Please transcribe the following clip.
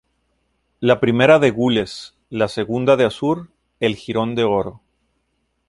La primera de gules, la segunda de azur, el jirón de oro.